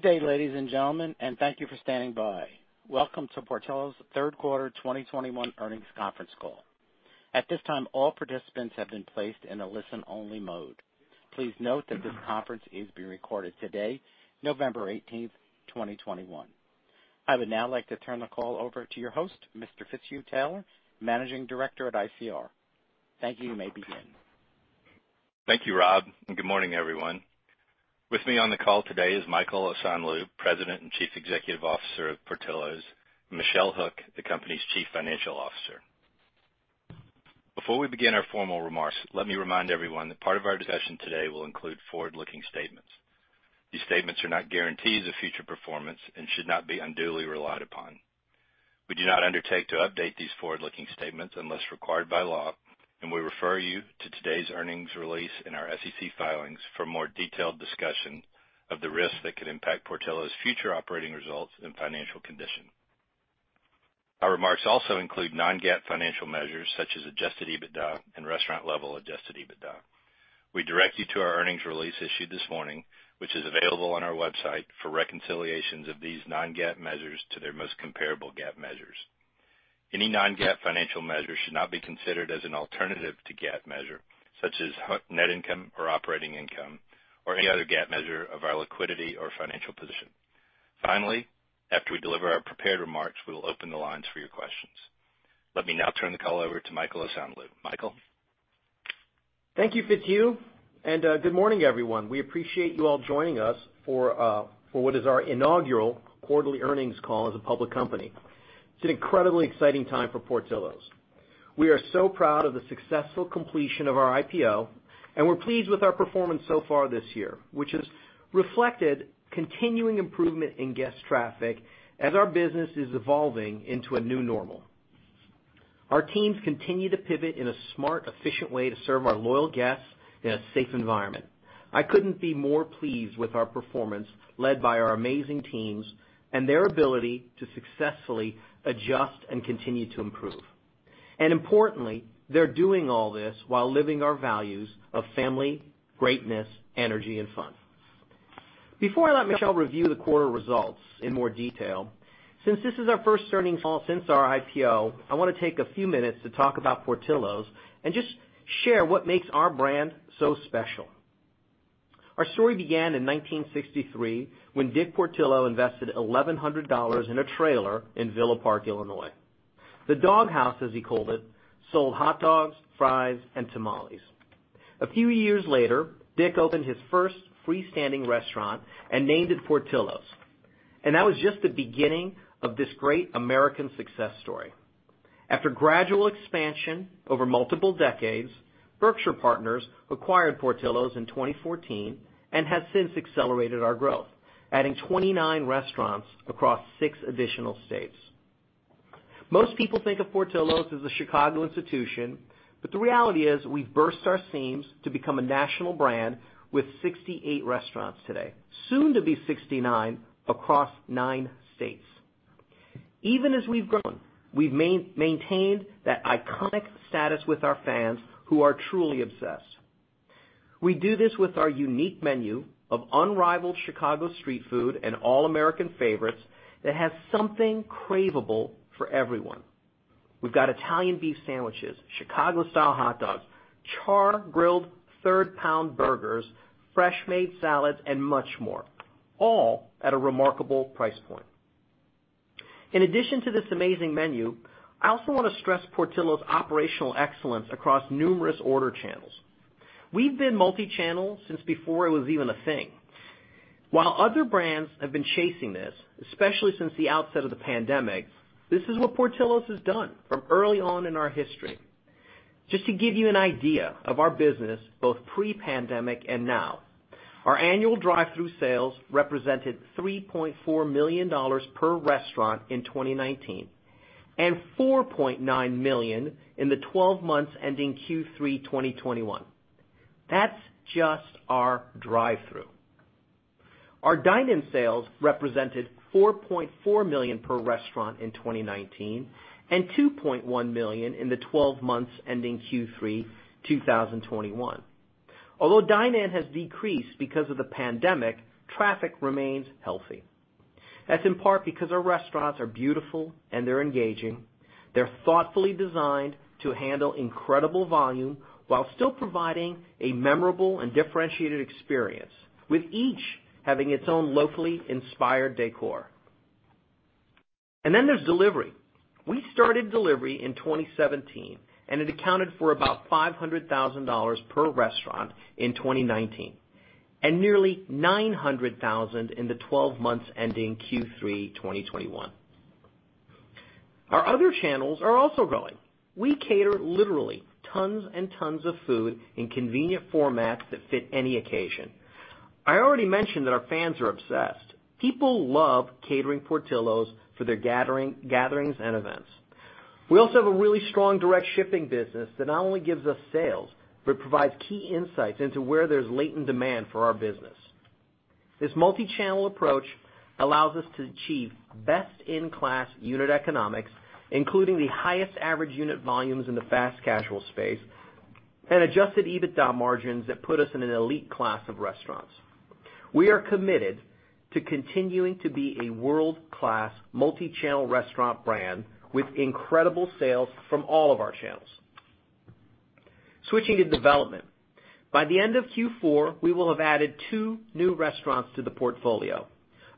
Good day, ladies and gentlemen, and thank you for standing by. Welcome to Portillo's Third Quarter 2021 Earnings Conference Call. At this time, all participants have been placed in a listen-only mode. Please note that this conference is being recorded today, November 18th, 2021. I would now like to turn the call over to your host, Mr. Fitzhugh Taylor, Managing Director at ICR. Thank you. You may begin. Thank you, Rob, and good morning, everyone. With me on the call today is Michael Osanloo, President and Chief Executive Officer of Portillo's, and Michelle Hook, the company's Chief Financial Officer. Before we begin our formal remarks, let me remind everyone that part of our discussion today will include forward-looking statements. These statements are not guarantees of future performance and should not be unduly relied upon. We do not undertake to update these forward-looking statements unless required by law, and we refer you to today's earnings release in our SEC filings for more detailed discussion of the risks that could impact Portillo's future operating results and financial condition. Our remarks also include non-GAAP financial measures such as adjusted EBITDA and restaurant-level adjusted EBITDA. We direct you to our earnings release issued this morning, which is available on our website for reconciliations of these non-GAAP measures to their most comparable GAAP measures. Any non-GAAP financial measure should not be considered as an alternative to GAAP measure, such as net income or operating income, or any other GAAP measure of our liquidity or financial position. Finally, after we deliver our prepared remarks, we will open the lines for your questions. Let me now turn the call over to Michael Osanloo. Michael? Thank you, Fitzhugh, and good morning, everyone. We appreciate you all joining us for what is our inaugural quarterly earnings call as a public company. It's an incredibly exciting time for Portillo's. We are so proud of the successful completion of our IPO, and we're pleased with our performance so far this year, which has reflected continuing improvement in guest traffic as our business is evolving into a new normal. Our teams continue to pivot in a smart, efficient way to serve our loyal guests in a safe environment. I couldn't be more pleased with our performance led by our amazing teams and their ability to successfully adjust and continue to improve. Importantly, they're doing all this while living our values of family, greatness, energy, and fun. Before I let Michelle review the quarter results in more detail, since this is our first earnings call since our IPO, I wanna take a few minutes to talk about Portillo's and just share what makes our brand so special. Our story began in 1963 when Dick Portillo invested $1,100 in a trailer in Villa Park, Illinois. The Dog House, as he called it, sold hot dogs, fries, and tamales. A few years later, Dick opened his first freestanding restaurant and named it Portillo's, and that was just the beginning of this great American success story. After gradual expansion over multiple decades, Berkshire Partners acquired Portillo's in 2014 and has since accelerated our growth, adding 29 restaurants across six additional states. Most people think of Portillo's as a Chicago institution, but the reality is we've burst our seams to become a national brand with 68 restaurants today, soon to be 69 across nine states. Even as we've grown, we've maintained that iconic status with our fans, who are truly obsessed. We do this with our unique menu of unrivaled Chicago street food and all-American favorites that has something craveable for everyone. We've got Italian Beef Sandwiches, Chicago-style Hot Dogs, char-grilled third-pound burgers, fresh made salads, and much more, all at a remarkable price point. In addition to this amazing menu, I also wanna stress Portillo's operational excellence across numerous order channels. We've been multi-channel since before it was even a thing. While other brands have been chasing this, especially since the outset of the pandemic, this is what Portillo's has done from early on in our history. Just to give you an idea of our business, both pre-pandemic and now, our annual drive-thru sales represented $3.4 million per restaurant in 2019, and $4.9 million in the twelve months ending Q3 2021. That's just our drive-thru. Our dine-in sales represented $4.4 million per restaurant in 2019 and $2.1 million in the 12 months ending Q3 2021. Although dine-in has decreased because of the pandemic, traffic remains healthy. That's in part because our restaurants are beautiful and they're engaging. They're thoughtfully designed to handle incredible volume while still providing a memorable and differentiated experience, with each having its own locally inspired decor. There's delivery. We started delivery in 2017, and it accounted for about $500,000 per restaurant in 2019, and nearly $900,000 in the 12 months ending Q3 2021. Our other channels are also growing. We cater literally tons and tons of food in convenient formats that fit any occasion. I already mentioned that our fans are obsessed. People love catering Portillo's for their gatherings and events. We also have a really strong direct shipping business that not only gives us sales, but provides key insights into where there's latent demand for our business. This multi-channel approach allows us to achieve best-in-class unit economics, including the highest average unit volumes in the fast casual space. Adjusted EBITDA margins that put us in an elite class of restaurants. We are committed to continuing to be a world-class multi-channel restaurant brand with incredible sales from all of our channels. Switching to development. By the end of Q4, we will have added two new restaurants to the portfolio,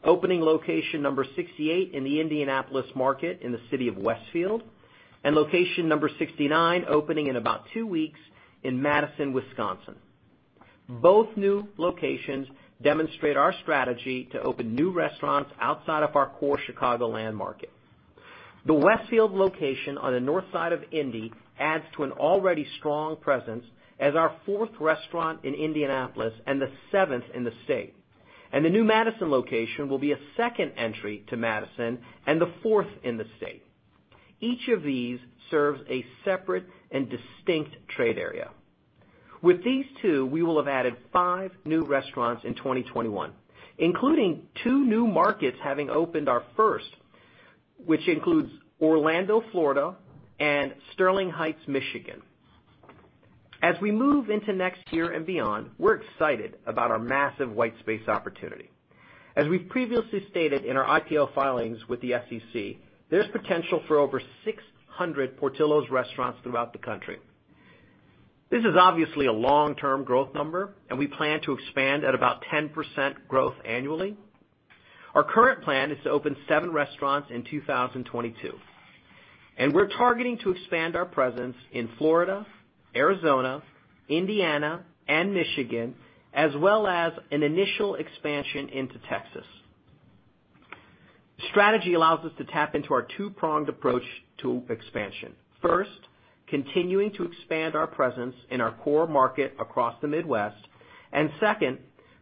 opening location number 68 in the Indianapolis market in the city of Westfield, and location number 69 opening in about two weeks in Madison, Wisconsin. Both new locations demonstrate our strategy to open new restaurants outside of our core Chicagoland market. The Westfield location on the north side of Indy adds to an already strong presence as our fourth restaurant in Indianapolis and the seventh in the state. The new Madison location will be a second entry to Madison and the fourth in the state. Each of these serves a separate and distinct trade area. With these two, we will have added five new restaurants in 2021, including two new markets having opened our first, which includes Orlando, Florida, and Sterling Heights, Michigan. As we move into next year and beyond, we're excited about our massive white space opportunity. As we've previously stated in our IPO filings with the SEC, there's potential for over 600 Portillo's restaurants throughout the country. This is obviously a long-term growth number, and we plan to expand at about 10% growth annually. Our current plan is to open seven restaurants in 2022, and we're targeting to expand our presence in Florida, Arizona, Indiana, and Michigan, as well as an initial expansion into Texas. Strategy allows us to tap into our two-pronged approach to expansion. First, continuing to expand our presence in our core market across the Midwest. Second,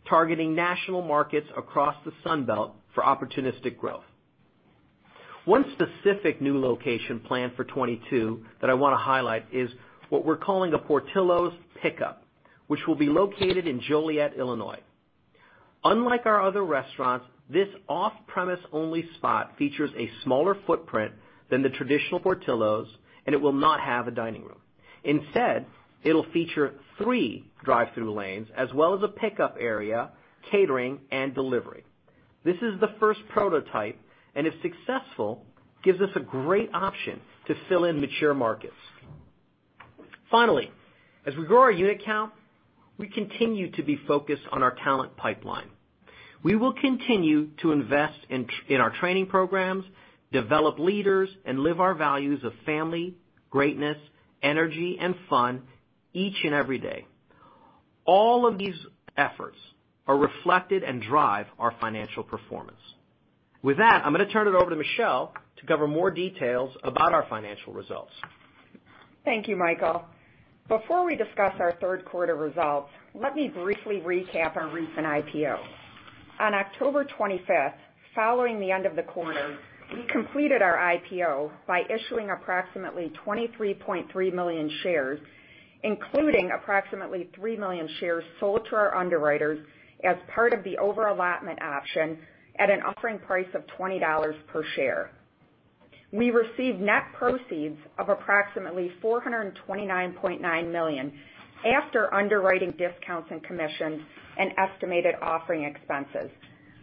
targeting national markets across the Sun Belt for opportunistic growth. One specific new location plan for 2022 that I wanna highlight is what we're calling a Portillo's Pickup, which will be located in Joliet, Illinois. Unlike our other restaurants, this off-premise only spot features a smaller footprint than the traditional Portillo's, and it will not have a dining room. Instead, it'll feature three drive-thru lanes as well as a pickup area, catering, and delivery. This is the first prototype, and if successful, gives us a great option to fill in mature markets. Finally, as we grow our unit count, we continue to be focused on our talent pipeline. We will continue to invest in our training programs, develop leaders, and live our values of family, greatness, energy, and fun each and every day. All of these efforts are reflected and drive our financial performance. With that, I'm gonna turn it over to Michelle to cover more details about our financial results. Thank you, Michael. Before we discuss our third quarter results, let me briefly recap our recent IPO. On October 25th, following the end of the quarter, we completed our IPO by issuing approximately 23.3 million shares, including approximately 3 million shares sold to our underwriters as part of the over-allotment option at an offering price of $20 per share. We received net proceeds of approximately $429.9 million after underwriting discounts and commissions and estimated offering expenses,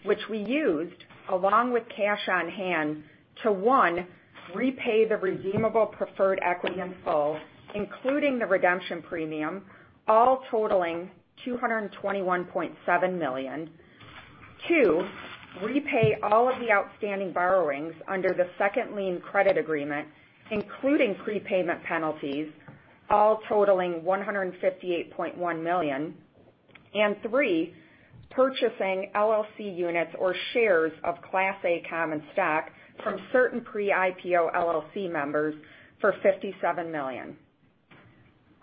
which we used along with cash on hand to, one, repay the redeemable preferred equity in full, including the redemption premium, all totaling $221.7 million. Two, repay all of the outstanding borrowings under the second lien credit agreement, including prepayment penalties, all totaling $158.1 million. Three, purchasing LLC units or shares of Class A common stock from certain pre-IPO LLC members for $57 million.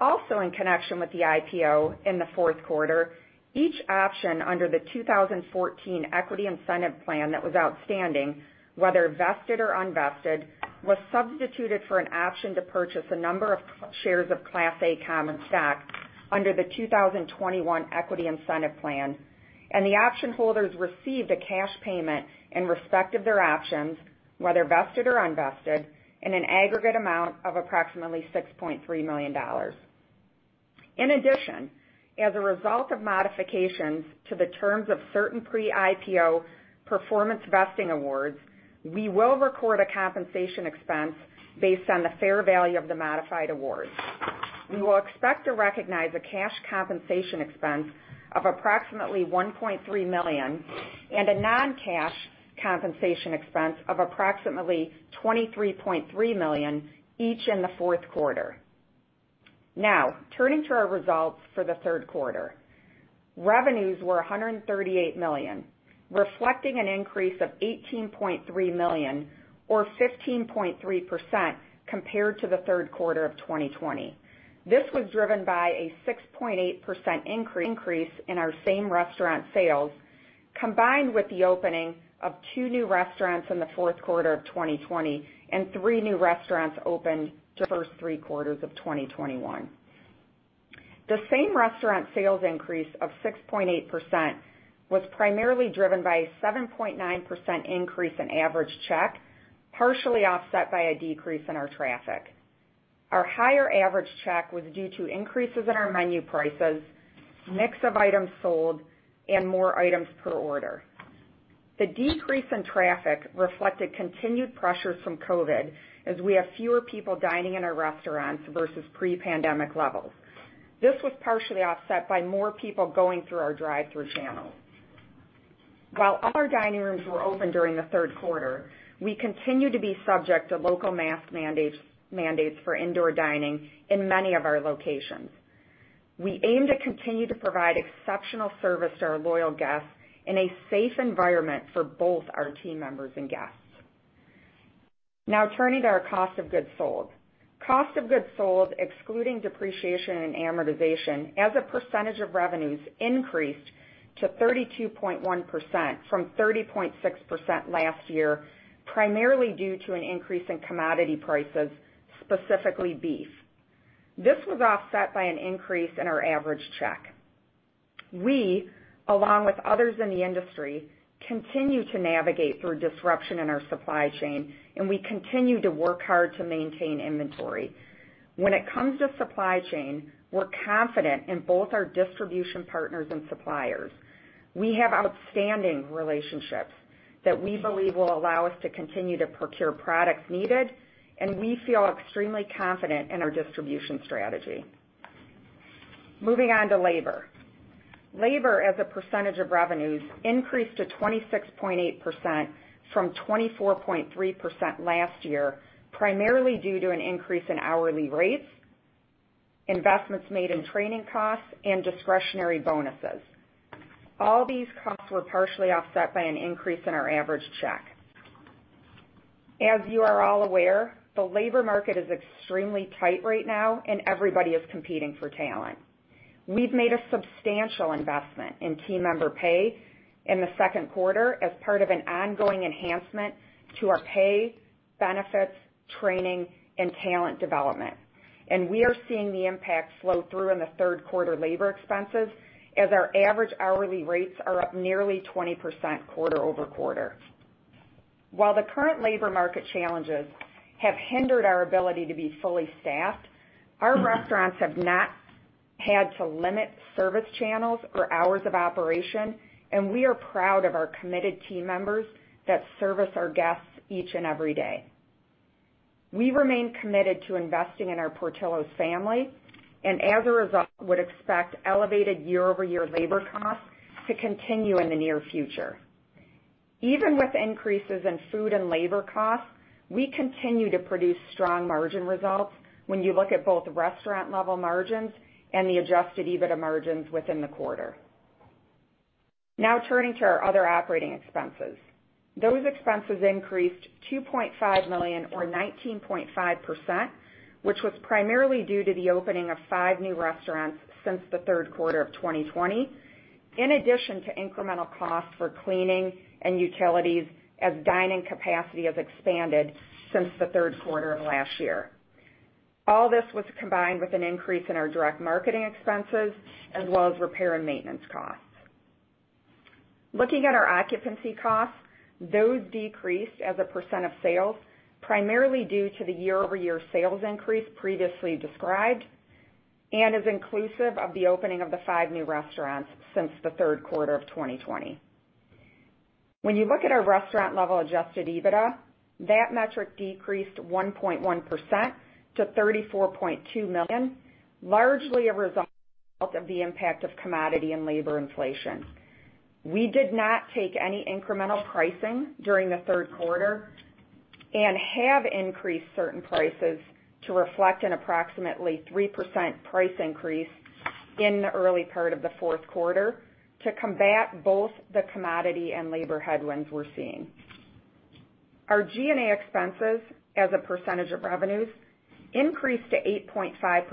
Also in connection with the IPO in the fourth quarter, each option under the 2014 Equity Incentive Plan that was outstanding, whether vested or unvested, was substituted for an option to purchase a number of shares of Class A common stock under the 2021 Equity Incentive Plan. The option holders received a cash payment in respect of their options, whether vested or unvested, in an aggregate amount of approximately $6.3 million. In addition, as a result of modifications to the terms of certain pre-IPO performance vesting awards, we will record a compensation expense based on the fair value of the modified awards. We will expect to recognize a cash compensation expense of approximately $1.3 million and a non-cash compensation expense of approximately $23.3 million, each in the fourth quarter. Now, turning to our results for the third quarter. Revenues were $138 million, reflecting an increase of $18.3 million or 15.3% compared to the third quarter of 2020. This was driven by a 6.8% increase in our same-restaurant sales, combined with the opening of two new restaurants in the fourth quarter of 2020 and 3 new restaurants opened the first three quarters of 2021. The same-restaurant sales increase of 6.8% was primarily driven by a 7.9% increase in average check. Partially offset by a decrease in our traffic. Our higher average check was due to increases in our menu prices, mix of items sold, and more items per order. The decrease in traffic reflected continued pressures from COVID as we have fewer people dining in our restaurants versus pre-pandemic levels. This was partially offset by more people going through our drive-thru channels. While all our dining rooms were open during the third quarter, we continue to be subject to local mask mandates for indoor dining in many of our locations. We aim to continue to provide exceptional service to our loyal guests in a safe environment for both our team members and guests. Now turning to our cost of goods sold. Cost of goods sold, excluding depreciation and amortization as a percentage of revenues increased to 32.1% from 30.6% last year, primarily due to an increase in commodity prices, specifically beef. This was offset by an increase in our average check. We, along with others in the industry, continue to navigate through disruption in our supply chain, and we continue to work hard to maintain inventory. When it comes to supply chain, we're confident in both our distribution partners and suppliers. We have outstanding relationships that we believe will allow us to continue to procure products needed, and we feel extremely confident in our distribution strategy. Moving on to labor. Labor as a percentage of revenues increased to 26.8% from 24.3% last year, primarily due to an increase in hourly rates, investments made in training costs and discretionary bonuses. All these costs were partially offset by an increase in our average check. As you are all aware, the labor market is extremely tight right now and everybody is competing for talent. We've made a substantial investment in team member pay in the second quarter as part of an ongoing enhancement to our pay, benefits, training, and talent development, and we are seeing the impact flow through in the third quarter labor expenses as our average hourly rates are up nearly 20% quarter over quarter. While the current labor market challenges have hindered our ability to be fully staffed, our restaurants have not had to limit service channels or hours of operation, and we are proud of our committed team members that service our guests each and every day. We remain committed to investing in our Portillo's family and as a result, would expect elevated year-over-year labor costs to continue in the near future. Even with increases in food and labor costs, we continue to produce strong margin results when you look at both restaurant-level margins and the adjusted EBITDA margins within the quarter. Now turning to our other operating expenses. Those expenses increased $2.5 million or 19.5%, which was primarily due to the opening of five new restaurants since the third quarter of 2020, in addition to incremental costs for cleaning and utilities as dining capacity has expanded since the third quarter of last year. All this was combined with an increase in our direct marketing expenses as well as repair and maintenance costs. Looking at our occupancy costs, those decreased as a percent of sales, primarily due to the year-over-year sales increase previously described and is inclusive of the opening of the five new restaurants since the third quarter of 2020. When you look at our restaurant-level adjusted EBITDA, that metric decreased 1.1% to $34.2 million, largely a result of the impact of commodity and labor inflation. We did not take any incremental pricing during the third quarter and have increased certain prices to reflect an approximately 3% price increase in the early part of the fourth quarter to combat both the commodity and labor headwinds we're seeing. Our G&A expenses as a percentage of revenues increased to 8.5%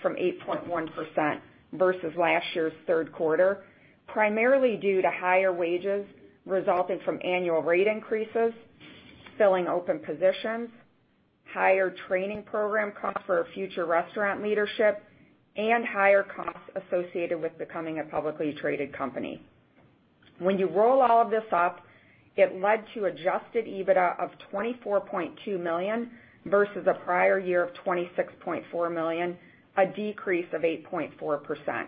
from 8.1% versus last year's third quarter, primarily due to higher wages resulting from annual rate increases, filling open positions, higher training program costs for future restaurant leadership, and higher costs associated with becoming a publicly traded company. When you roll all of this up, it led to adjusted EBITDA of $24.2 million versus a prior year of $26.4 million, a decrease of 8.4%.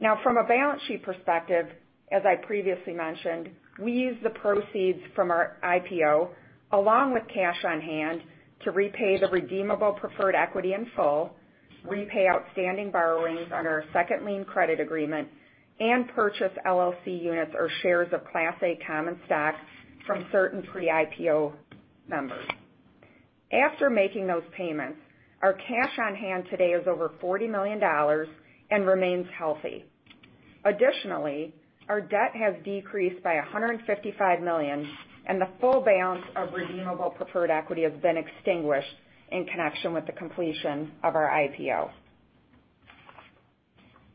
Now, from a balance sheet perspective, as I previously mentioned, we used the proceeds from our IPO along with cash on hand to repay the redeemable preferred equity in full, repay outstanding borrowings on our second lien credit agreement, and purchase LLC units or shares of Class A common stock from certain pre-IPO members. After making those payments, our cash on hand today is over $40 million and remains healthy. Additionally, our debt has decreased by $155 million, and the full balance of redeemable preferred equity has been extinguished in connection with the completion of our IPO.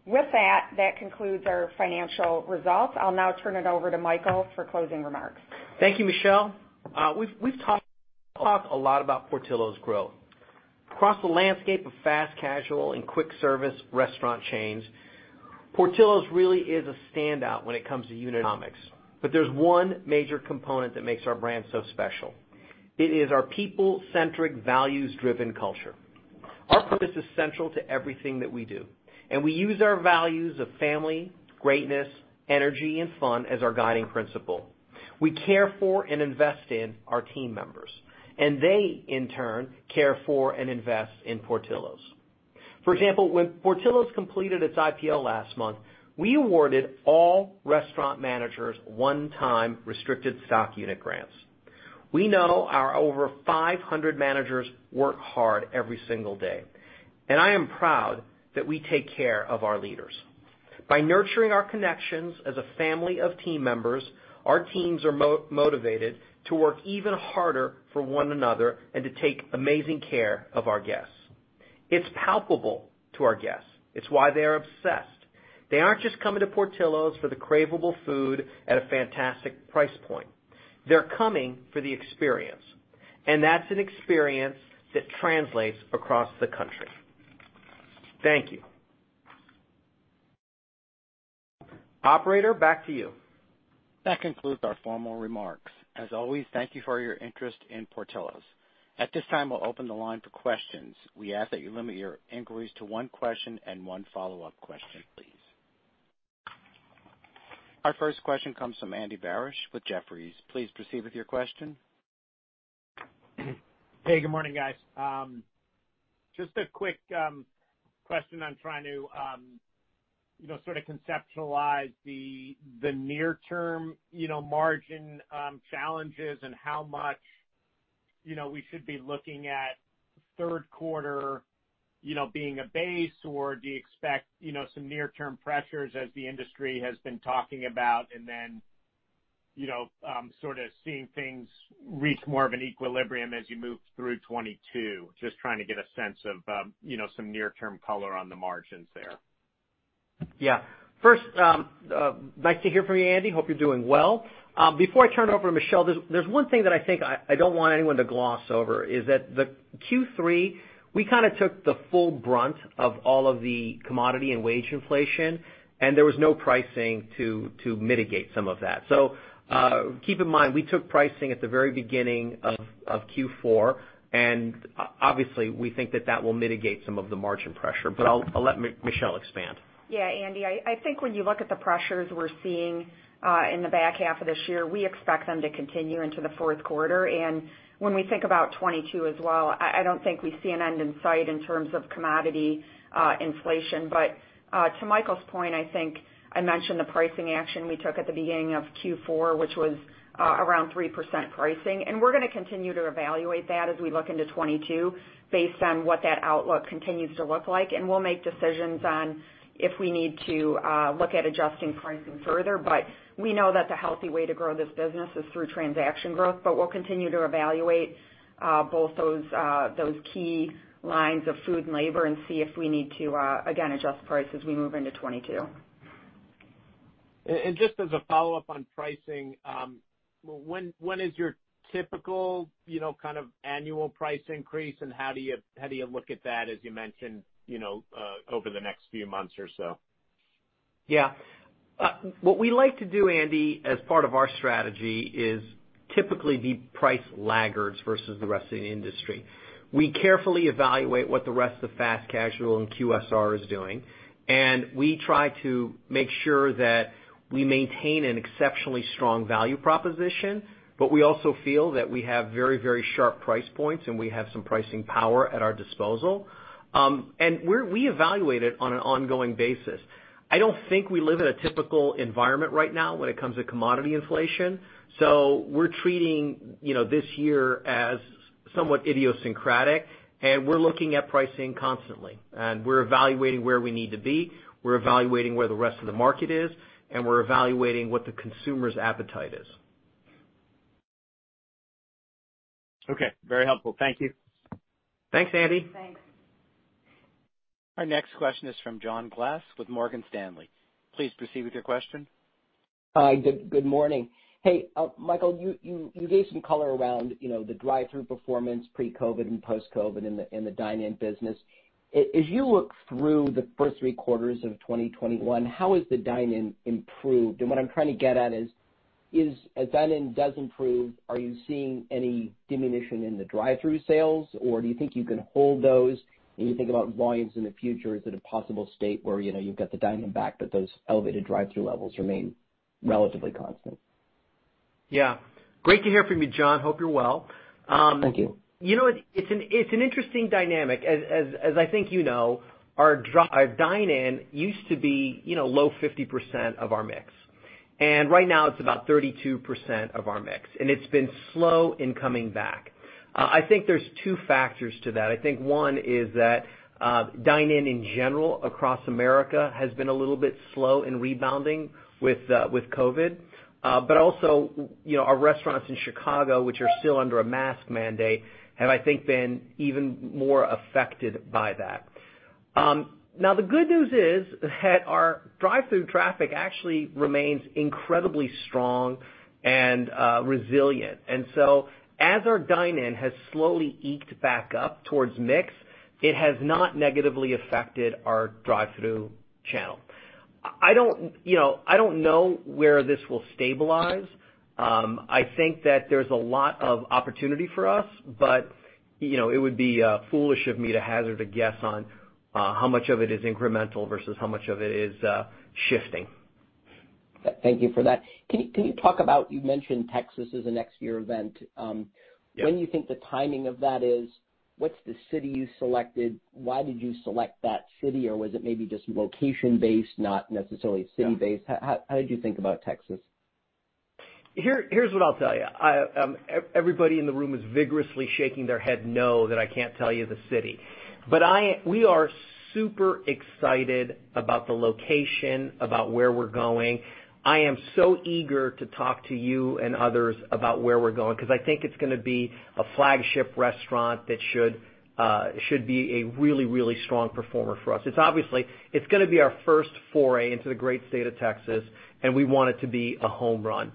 With that concludes our financial results. I'll now turn it over to Michael for closing remarks. Thank you, Michelle. We've talked a lot about Portillo's growth. Across the landscape of fast casual and quick service restaurant chains, Portillo's really is a standout when it comes to unit economics. There's one major component that makes our brand so special. It is our people-centric, values-driven culture. Our purpose is central to everything that we do, and we use our values of family, greatness, energy and fun as our guiding principle. We care for and invest in our team members, and they in turn care for and invest in Portillo's. For example, when Portillo's completed its IPO last month, we awarded all restaurant managers one-time restricted stock unit grants. We know our over 500 managers work hard every single day, and I am proud that we take care of our leaders. By nurturing our connections as a family of team members, our teams are motivated to work even harder for one another and to take amazing care of our guests. It's palpable to our guests. It's why they are obsessed. They aren't just coming to Portillo's for the craveable food at a fantastic price point. They're coming for the experience, and that's an experience that translates across the country. Thank you. Operator, back to you. That concludes our formal remarks. As always, thank you for your interest in Portillo's. At this time, we'll open the line for questions. We ask that you limit your inquiries to one question and one follow-up question, please. Our first question comes from Andy Barish with Jefferies. Please proceed with your question. Hey, good morning, guys. Just a quick question on trying to, you know, sort of conceptualize the near-term, you know, margin challenges and how much, you know, we should be looking at third quarter, you know, being a base, or do you expect, you know, some near-term pressures as the industry has been talking about, and then, you know, sort of seeing things reach more of an equilibrium as you move through 2022? Just trying to get a sense of, you know, some near-term color on the margins there. Yeah. First, nice to hear from you, Andy. Hope you're doing well. Before I turn it over to Michelle, there's one thing that I think I don't want anyone to gloss over, is that the Q3, we kinda took the full brunt of all of the commodity and wage inflation, and there was no pricing to mitigate some of that. So, keep in mind, we took pricing at the very beginning of Q4, and obviously, we think that will mitigate some of the margin pressure. But I'll let Michelle expand. Yeah. Andy, I think when you look at the pressures we're seeing in the back half of this year, we expect them to continue into the fourth quarter. When we think about 2022 as well, I don't think we see an end in sight in terms of commodity inflation. To Michael's point, I think I mentioned the pricing action we took at the beginning of Q4, which was around 3% pricing. We're gonna continue to evaluate that as we look into 2022 based on what that outlook continues to look like. We'll make decisions on if we need to look at adjusting pricing further. We know that the healthy way to grow this business is through transaction growth. We'll continue to evaluate both those key lines of food and labor and see if we need to again adjust price as we move into 2022. Just as a follow-up on pricing, when is your typical, you know, kind of annual price increase, and how do you look at that, as you mentioned, you know, over the next few months or so? Yeah, what we like to do, Andy, as part of our strategy is typically be price laggards versus the rest of the industry. We carefully evaluate what the rest of fast casual and QSR is doing, and we try to make sure that we maintain an exceptionally strong value proposition, but we also feel that we have very, very sharp price points, and we have some pricing power at our disposal. We evaluate it on an ongoing basis. I don't think we live in a typical environment right now when it comes to commodity inflation, so we're treating, you know, this year as somewhat idiosyncratic, and we're looking at pricing constantly. We're evaluating where we need to be, we're evaluating where the rest of the market is, and we're evaluating what the consumer's appetite is. Okay, very helpful. Thank you. Thanks, Andy. Thanks. Our next question is from John Glass with Morgan Stanley. Please proceed with your question. Hi. Good morning. Hey, Michael, you gave some color around, you know, the drive-thru performance pre-COVID and post-COVID in the dine-in business. As you look through the first three quarters of 2021, how has the dine-in improved? What I'm trying to get at is, as dine-in does improve, are you seeing any diminution in the drive-thru sales, or do you think you can hold those when you think about volumes in the future? Is it a possible state where, you know, you've got the dine-in back, but those elevated drive-thru levels remain relatively constant? Yeah. Great to hear from you, John. Hope you're well. Thank you. You know what? It's an interesting dynamic. I think you know, our dine-in used to be, you know, low 50% of our mix. Right now, it's about 32% of our mix, and it's been slow in coming back. I think there's two factors to that. I think one is that dine-in in general across America has been a little bit slow in rebounding with COVID. But also, you know, our restaurants in Chicago, which are still under a mask mandate, have, I think, been even more affected by that. Now the good news is that our drive-thru traffic actually remains incredibly strong and resilient. As our dine-in has slowly inched back up towards mix, it has not negatively affected our drive-thru channel. I don't, you know, I don't know where this will stabilize. I think that there's a lot of opportunity for us, but, you know, it would be foolish of me to hazard a guess on how much of it is incremental versus how much of it is shifting. Thank you for that. Can you talk about you mentioned Texas as a next year event? When do you think the timing of that is? What's the city you selected? Why did you select that city? Or was it maybe just location-based, not necessarily city-based? How did you think about Texas? Here's what I'll tell you. Everybody in the room is vigorously shaking their head no that I can't tell you the city. We are super excited about the location, about where we're going. I am so eager to talk to you and others about where we're going because I think it's gonna be a flagship restaurant that should be a really strong performer for us. It's gonna be our first foray into the great state of Texas, and we want it to be a home run.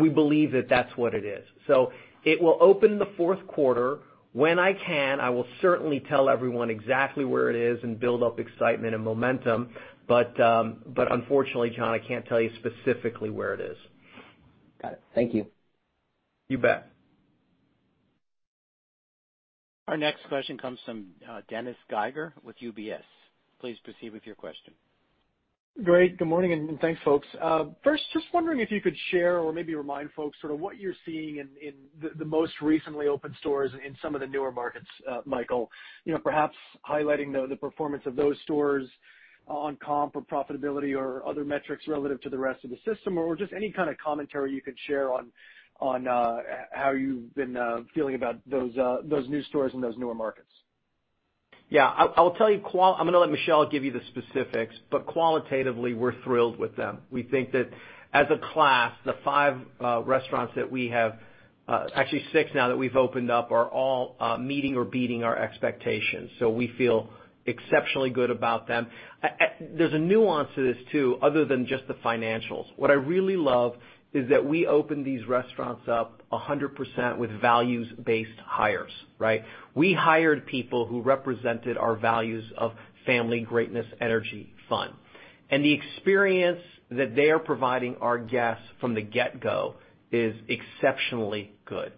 We believe that that's what it is. It will open in the fourth quarter. When I can, I will certainly tell everyone exactly where it is and build up excitement and momentum. Unfortunately, John, I can't tell you specifically where it is. Got it. Thank you. You bet. Our next question comes from, Dennis Geiger with UBS. Please proceed with your question. Great. Good morning, and thanks, folks. First, just wondering if you could share or maybe remind folks sort of what you're seeing in the most recently opened stores in some of the newer markets, Michael. You know, perhaps highlighting the performance of those stores on comp or profitability or other metrics relative to the rest of the system or just any kind of commentary you could share on how you've been feeling about those new stores in those newer markets? Yeah, I'll tell you. I'm gonna let Michelle give you the specifics, but qualitatively, we're thrilled with them. We think that as a class, the five restaurants that we have, actually six now that we've opened up, are all meeting or beating our expectations. We feel exceptionally good about them. There's a nuance to this too, other than just the financials. What I really love is that we open these restaurants up 100% with values-based hires, right? We hired people who represented our values of family, greatness, energy, fun. The experience that they are providing our guests from the get-go is exceptionally good.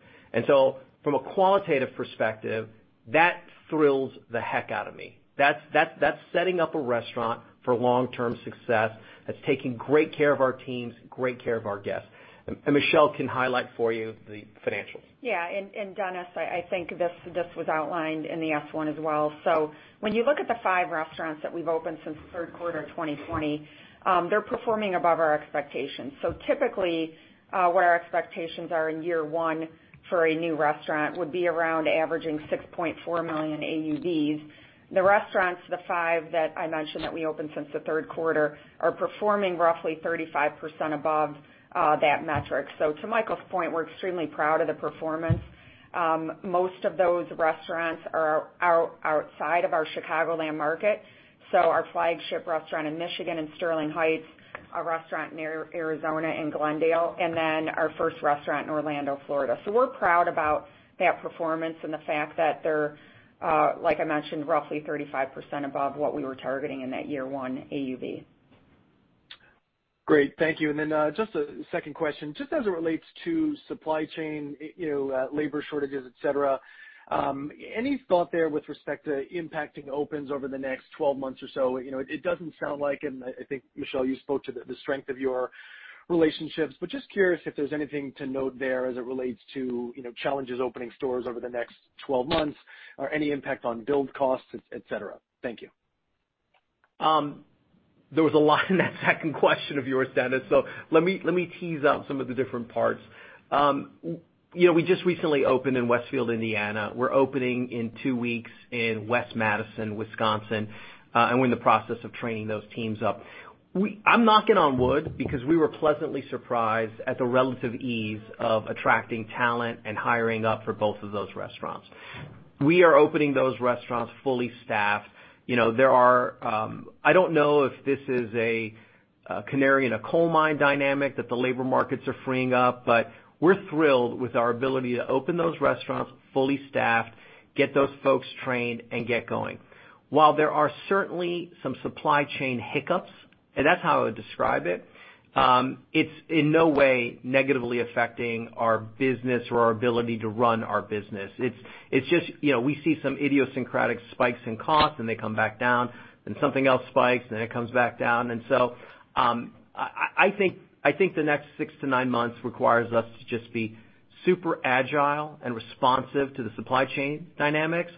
From a qualitative perspective, that thrills the heck out of me. That's setting up a restaurant for long-term success. That's taking gret care of our teams, great care of our guests. Michelle can highlight for you the financials. Dennis, I think this was outlined in the S-1 as well. When you look at the five restaurants that we've opened since the third quarter of 2020, they're performing above our expectations. Typically, where our expectations are in year one for a new restaurant would be around averaging $6.4 million AUVs. The five restaurants that I mentioned that we opened since the third quarter are performing roughly 35% above that metric. To Michael's point, we're extremely proud of the performance. Most of those restaurants are outside of our Chicagoland market. Our flagship restaurant in Michigan and Sterling Heights, a restaurant near Arizona in Glendale, and then our first restaurant in Orlando, Florida. We're proud about that performance and the fact that they're, like I mentioned, roughly 35% above what we were targeting in that year one AUV. Great. Thank you. Then just a second question, just as it relates to supply chain, you know, labor shortages, et cetera, any thought there with respect to impacting opens over the next 12 months or so? You know, it doesn't sound like, and I think, Michelle, you spoke to the strength of your relationships, but just curious if there's anything to note there as it relates to, you know, challenges opening stores over the next 12 months or any impact on build costs, et cetera. Thank you. There was a lot in that second question of yours, Dennis. Let me tease out some of the different parts. We just recently opened in Westfield, Indiana. We're opening in two weeks in West Madison, Wisconsin, and we're in the process of training those teams up. I'm knocking on wood because we were pleasantly surprised at the relative ease of attracting talent and hiring up for both of those restaurants. We are opening those restaurants fully staffed. You know, I don't know if this is a canary in a coal mine dynamic that the labor markets are freeing up, but we're thrilled with our ability to open those restaurants fully staffed, get those folks trained, and get going. While there are certainly some supply chain hiccups, and that's how I would describe it's in no way negatively affecting our business or our ability to run our business. It's just, you know, we see some idiosyncratic spikes in costs, and they come back down, then something else spikes, and then it comes back down. I think the next six to nine months requires us to just be super agile and responsive to the supply chain dynamics,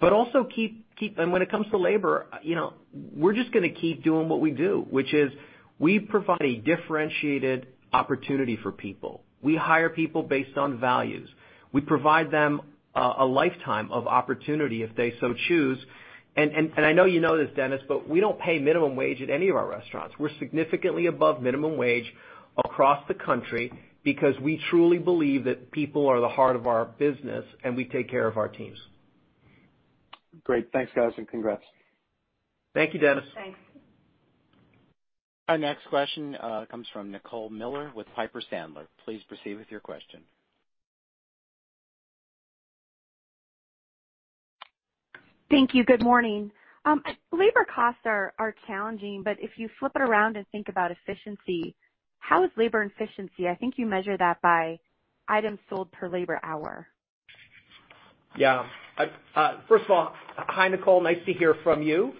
but also keep. When it comes to labor, you know, we're just gonna keep doing what we do, which is we provide a differentiated opportunity for people. We hire people based on values. We provide them a lifetime of opportunity if they so choose. I know you know this, Dennis, but we don't pay minimum wage at any of our restaurants. We're significantly above minimum wage across the country because we truly believe that people are the heart of our business, and we take care of our teams. Great. Thanks, guys, and congrats. Thank you, Dennis. Thanks. Our next question comes from Nicole Miller with Piper Sandler. Please proceed with your question. Thank you. Good morning. Labor costs are challenging, but if you flip it around and think about efficiency, how is labor efficiency? I think you measure that by items sold per labor hour. Yeah. First of all, hi, Nicole. Nice to hear from you.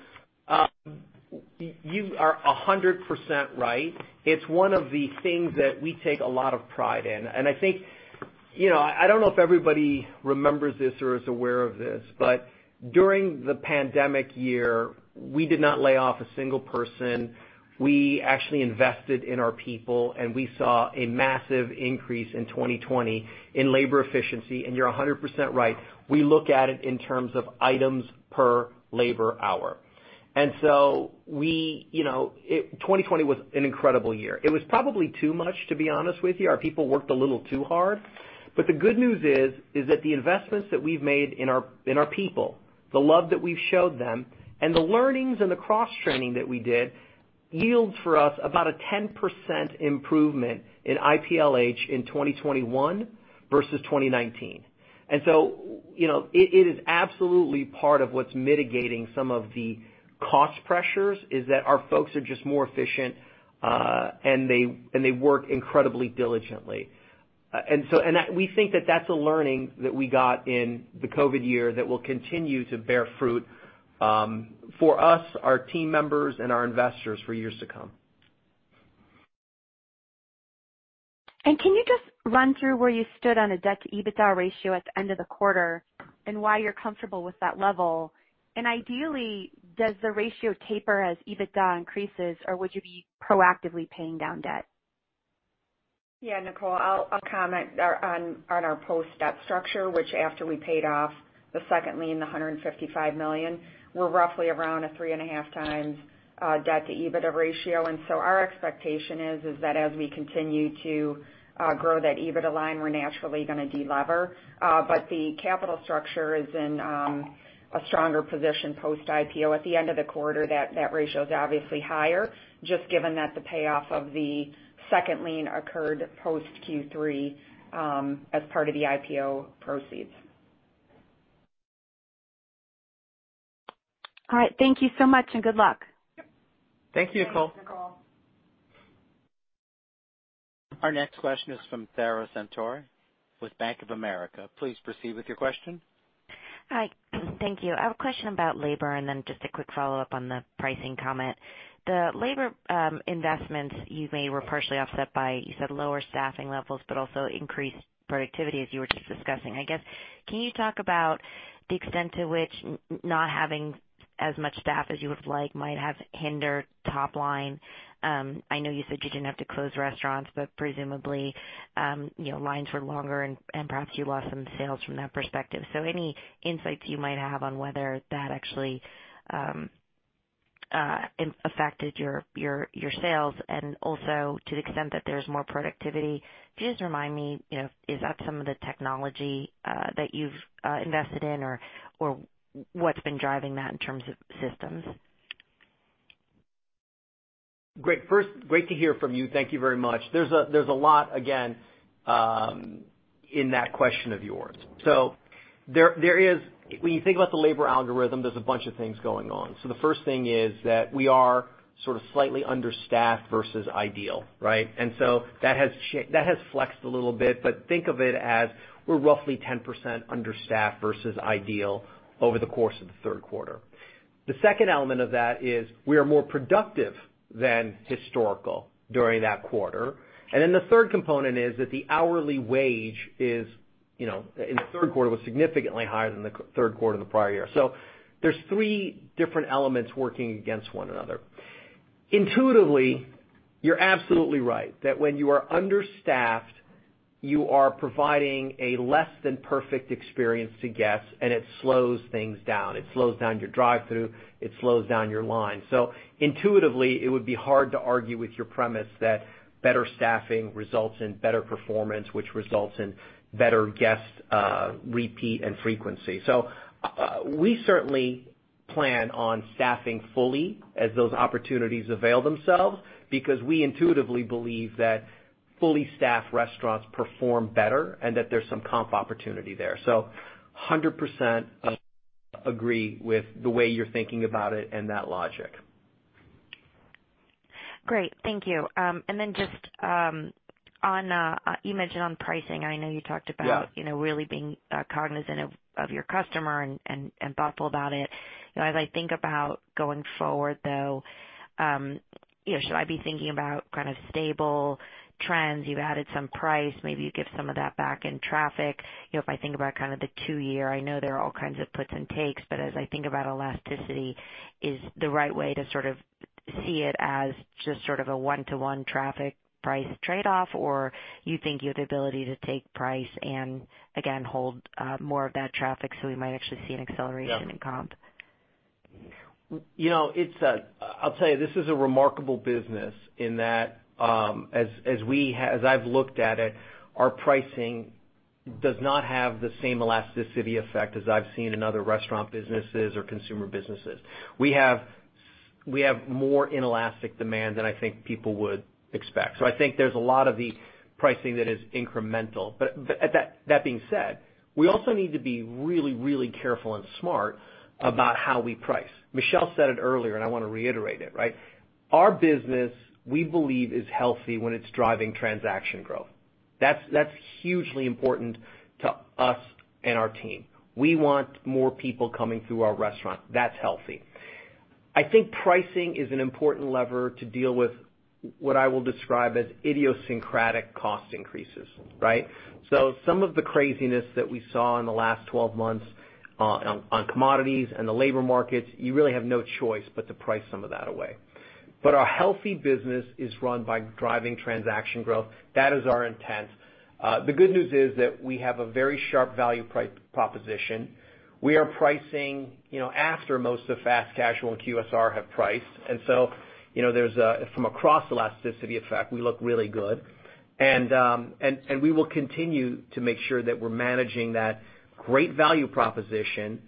You are 100% right. It's one of the things that we take a lot of pride in, and I think, you know, I don't know if everybody remembers this or is aware of this, but during the pandemic year, we did not lay off a single person. We actually invested in our people, and we saw a massive increase in 2020 in labor efficiency. You're 100% right, we look at it in terms of items per labor hour. We, you know, 2020 was an incredible year. It was probably too much, to be honest with you. Our people worked a little too hard. The good news is that the investments that we've made in our people, the love that we've showed them and the learnings and the cross-training that we did yields for us about a 10% improvement in IPLH in 2021 versus 2019. You know, it is absolutely part of what's mitigating some of the cost pressures, is that our folks are just more efficient, and they work incredibly diligently. We think that that's a learning that we got in the COVID year that will continue to bear fruit, for us, our team members, and our investors for years to come. Can you just run through where you stood on a debt-to-EBITDA ratio at the end of the quarter and why you're comfortable with that level? Ideally, does the ratio taper as EBITDA increases, or would you be proactively paying down debt? Yeah, Nicole, I'll comment on our post-debt structure, which after we paid off the second lien, the $155 million, we're roughly around a 3.5x debt-to-EBITDA ratio. Our expectation is that as we continue to grow that EBITDA line, we're naturally gonna de-lever. The capital structure is in a stronger position post-IPO. At the end of the quarter, that ratio is obviously higher, just given that the payoff of the second lien occurred post Q3, as part of the IPO proceeds. All right. Thank you so much, and good luck. Thank you, Nicole. Thanks, Nicole. Our next question is from Sara Senatore with Bank of America. Please proceed with your question. Hi. Thank you. I have a question about labor and then just a quick follow-up on the pricing comment. The labor investments you made were partially offset by, you said, lower staffing levels, but also increased productivity, as you were just discussing. I guess, can you talk about the extent to which not having as much staff as you would like might have hindered top line? I know you said you didn't have to close restaurants, but presumably, you know, lines were longer and perhaps you lost some sales from that perspective. So any insights you might have on whether that actually affected your sales and also to the extent that there's more productivity. Can you just remind me, you know, is that some of the technology that you've invested in or what's been driving that in terms of systems? Great. First, great to hear from you. Thank you very much. There's a lot again in that question of yours. When you think about the labor algorithm, there's a bunch of things going on. The first thing is that we are sort of slightly understaffed versus ideal, right? That has flexed a little bit, but think of it as we're roughly 10% understaffed versus ideal over the course of the third quarter. The second element of that is we are more productive than historical during that quarter. The third component is that the hourly wage in the third quarter was significantly higher than the third quarter in the prior year. There's three different elements working against one another. Intuitively, you're absolutely right that when you are understaffed, you are providing a less than perfect experience to guests and it slows things down. It slows down your drive-thru, it slows down your line. Intuitively, it would be hard to argue with your premise that better staffing results in better performance, which results in better guest repeat and frequency. We certainly plan on staffing fully as those opportunities avail themselves because we intuitively believe that fully staffed restaurants perform better and that there's some comp opportunity there. 100% agree with the way you're thinking about it and that logic. Great. Thank you. Just on, you mentioned on pricing. I know you talked about. Yeah. You know, really being cognizant of your customer and thoughtful about it. You know, as I think about going forward, though, you know, should I be thinking about kind of stable trends? You've added some price, maybe you give some of that back in traffic. You know, if I think about kind of the two-year, I know there are all kinds of puts and takes, but as I think about elasticity, is the right way to sort of see it as just sort of a one-to-one traffic price trade-off or you think you have the ability to take price and again hold more of that traffic, so we might actually see an acceleration in comp? Yeah. You know, I'll tell you, this is a remarkable business in that, as I've looked at it, our pricing does not have the same elasticity effect as I've seen in other restaurant businesses or consumer businesses. We have more inelastic demand than I think people would expect. I think there's a lot of the pricing that is incremental. That being said, we also need to be really, really careful and smart about how we price. Michelle said it earlier, and I wanna reiterate it, right? Our business, we believe, is healthy when it's driving transaction growth. That's hugely important to us and our team. We want more people coming through our restaurant. That's healthy. I think pricing is an important lever to deal with what I will describe as idiosyncratic cost increases, right? Some of the craziness that we saw in the last 12 months, on commodities and the labor markets, you really have no choice but to price some of that away. Our healthy business is run by driving transaction growth. That is our intent. The good news is that we have a very sharp value price proposition. We are pricing, you know, after most of fast casual and QSR have priced. You know, from a cross-elasticity effect, we look really good. We will continue to make sure that we're managing that great value proposition,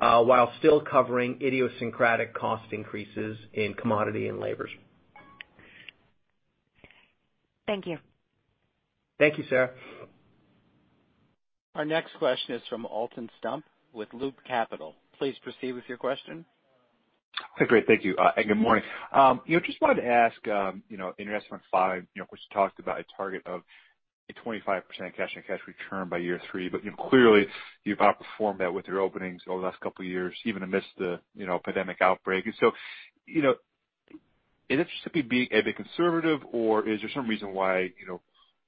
while still covering idiosyncratic cost increases in commodities and labor. Thank you. Thank you, Sara. Our next question is from Alton Stump with Loop Capital. Please proceed with your question. Great. Thank you. Good morning. You know, just wanted to ask, you know, in your S-1, you know, of course, you talked about a target of 25% cash-on-cash return by year three, but, you know, clearly you've outperformed that with your openings over the last couple of years, even amidst the, you know, pandemic outbreak. You know, is it just simply being a bit conservative or is there some reason why, you know,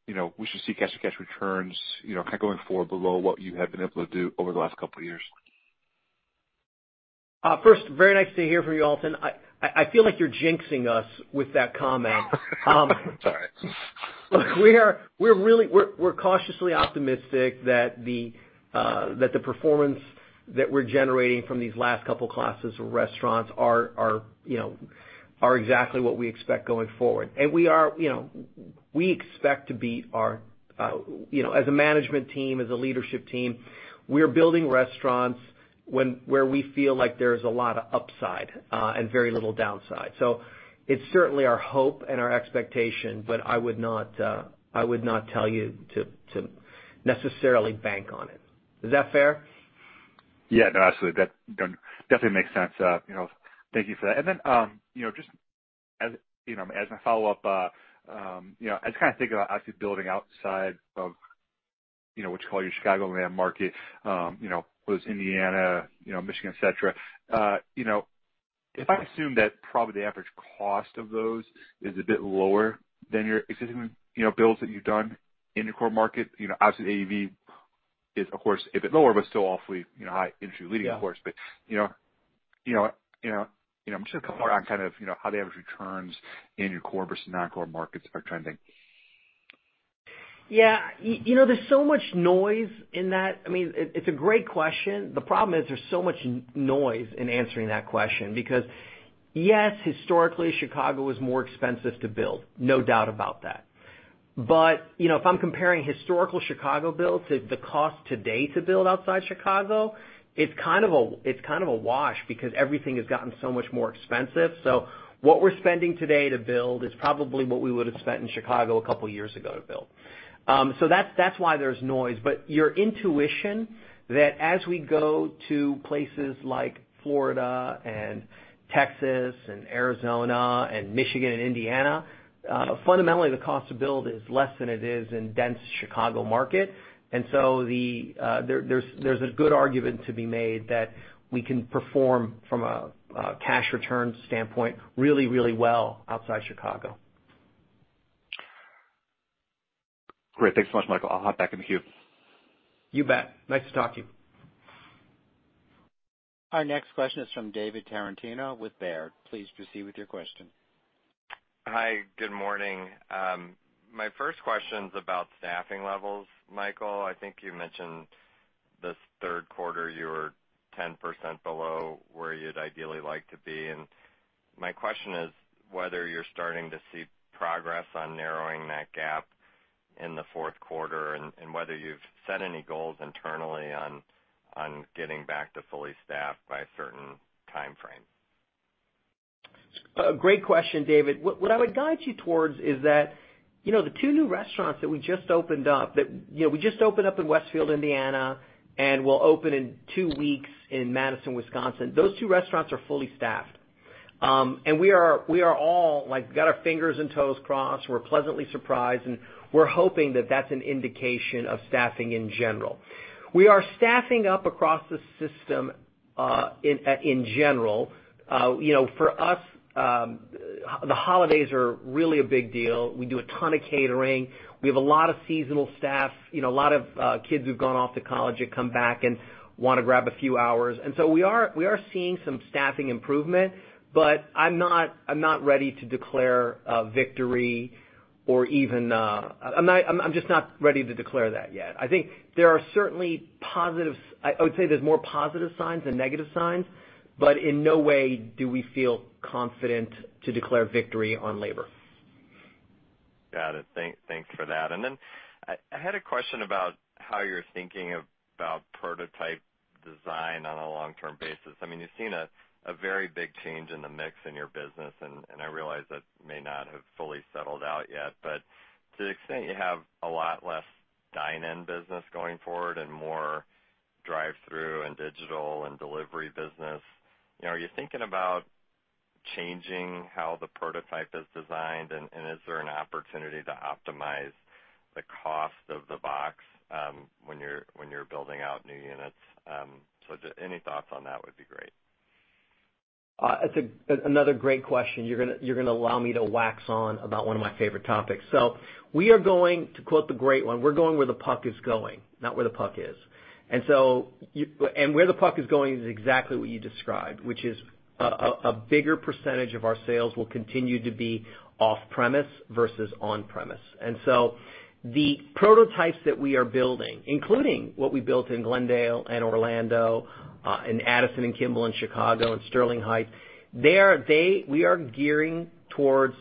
you know, we should see cash-on-cash returns, you know, kind of going forward below what you have been able to do over the last couple of years? First, very nice to hear from you, Alton. I feel like you're jinxing us with that comment. Sorry. Look, we're really cautiously optimistic that the performance that we're generating from these last couple classes of restaurants are you know exactly what we expect going forward. We are you know we expect to be our you know as a management team, as a leadership team, we are building restaurants where we feel like there's a lot of upside and very little downside. It's certainly our hope and our expectation, but I would not tell you to necessarily bank on it. Is that fair? Yeah. No, absolutely. That definitely makes sense. You know, thank you for that. You know, just as, you know, as I follow up, you know, I just kinda think about actually building outside of, you know, what you call your Chicagoland market, you know, whether it's Indiana, you know, Michigan, et cetera. You know, if I assume that probably the average cost of those is a bit lower than your existing, you know, builds that you've done in your core market, you know, obviously AUV is of course a bit lower, but still awfully, you know, high industry leading of course. Yeah. You know, I'm just curious more on kind of, you know, how the average returns in your core versus non-core markets are trending. Yeah. You know, there's so much noise in that. I mean, it's a great question. The problem is there's so much noise in answering that question because, yes, historically, Chicago was more expensive to build. No doubt about that. You know, if I'm comparing historical Chicago builds to the cost today to build outside Chicago, it's kind of a wash because everything has gotten so much more expensive. What we're spending today to build is probably what we would've spent in Chicago a couple years ago to build. That's why there's noise. Your intuition that as we go to places like Florida and Texas and Arizona and Michigan and Indiana, fundamentally the cost to build is less than it is in dense Chicago market. There's a good argument to be made that we can perform from a cash return standpoint really, really well outside Chicago. Great. Thanks so much, Michael. I'll hop back in the queue. You bet. Nice talking. Our next question is from David Tarantino with Baird. Please proceed with your question. Hi. Good morning. My first question's about staffing levels, Michael. I think you mentioned this third quarter you were 10% below where you'd ideally like to be. My question is whether you're starting to see progress on narrowing that gap in the fourth quarter, and whether you've set any goals internally on getting back to fully staffed by a certain timeframe. A great question, David. What I would guide you towards is that, you know, the two new restaurants that we just opened up in Westfield, Indiana, and we'll open in two weeks in Madison, Wisconsin, those two restaurants are fully staffed. We are all like got our fingers and toes crossed. We're pleasantly surprised, and we're hoping that that's an indication of staffing in general. We are staffing up across the system, in general. You know, for us, the holidays are really a big deal. We do a ton of catering. We have a lot of seasonal staff, you know, a lot of kids who've gone off to college that come back and wanna grab a few hours. We are seeing some staffing improvement, but I'm not ready to declare a victory or even. I'm just not ready to declare that yet. I would say there's more positive signs than negative signs, but in no way do we feel confident to declare victory on labor. Got it. Thanks for that. I had a question about how you're thinking about prototype design on a long-term basis. I mean, you've seen a very big change in the mix in your business, and I realize that may not have fully settled out yet. To the extent you have a lot less dine-in business going forward and more drive-thru and digital and delivery business, you know, are you thinking about changing how the prototype is designed, and is there an opportunity to optimize the cost of the box when you're building out new units? Any thoughts on that would be great. That's another great question. You're gonna allow me to wax on about one of my favorite topics. We are going to quote the great one, we're going where the puck is going, not where the puck is. Where the puck is going is exactly what you described, which is a bigger percentage of our sales will continue to be off-premise versus on-premise. The prototypes that we are building, including what we built in Glendale and Orlando, in Addison and Kimball in Chicago, and Sterling Heights, we are gearing towards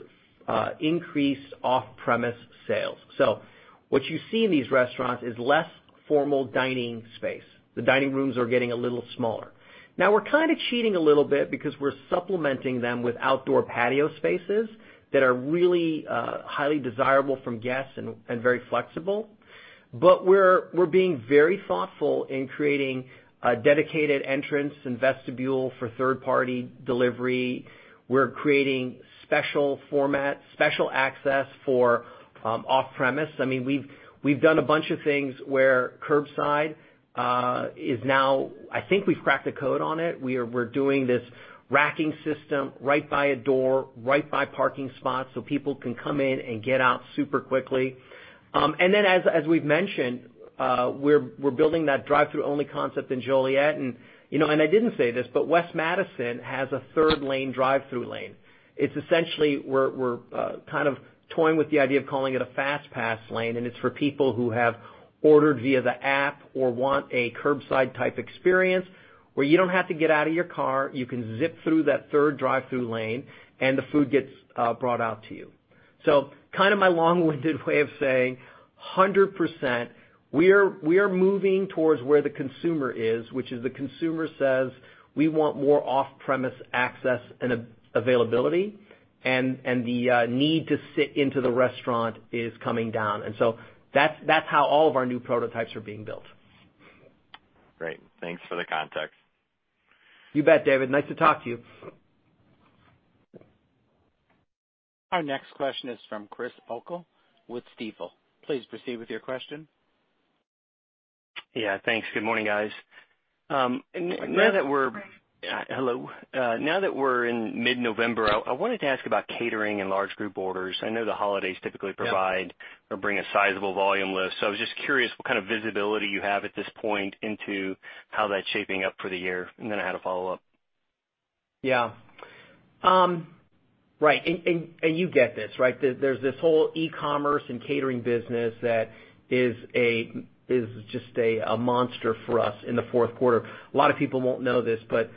increased off-premise sales. What you see in these restaurants is less formal dining space. The dining rooms are getting a little smaller. Now we're kinda cheating a little bit because we're supplementing them with outdoor patio spaces that are really highly desirable from guests and very flexible. We're being very thoughtful in creating a dedicated entrance and vestibule for third-party delivery. We're creating special format, special access for off-premise. I mean, we've done a bunch of things where curbside is now. I think we've cracked the code on it. We're doing this racking system right by a door, right by parking spots, so people can come in and get out super quickly. As we've mentioned, we're building that drive-thru only concept in Joliet. You know, I didn't say this, but West Madison has a third lane drive-thru lane. It's essentially we're kind of toying with the idea of calling it a fast pass lane, and it's for people who have ordered via the app or want a curbside type experience, where you don't have to get out of your car, you can zip through that third drive-thru lane, and the food gets brought out to you. So kind of my long-winded way of saying 100%, we are moving towards where the consumer is, which is the consumer says, "We want more off-premise access and availability, and the need to sit in the restaurant is coming down." That's how all of our new prototypes are being built. Great. Thanks for the context. You bet, David. Nice to talk to you. Our next question is from Chris O'Cull with Stifel. Please proceed with your question. Yeah, thanks. Good morning, guys. Now that we're Good morning, Chris. Hello. Now that we're in mid-November, I wanted to ask about catering and large group orders. I know the holidays typically provide- Yeah. or bring a sizable volume list. I was just curious what kind of visibility you have at this point into how that's shaping up for the year. I had a follow-up. Yeah. Right. You get this, right? There's this whole e-commerce and catering business that is just a monster for us in the fourth quarter. A lot of people won't know this, but